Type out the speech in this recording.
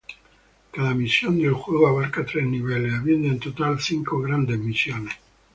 Cada misión del juego abarca tres niveles, habiendo en total cinco grandes misiones.